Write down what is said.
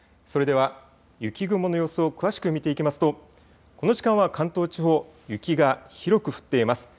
それでは雪雲の予想、詳しく見ていきますとこの時間は関東地方、雪が広く降っています。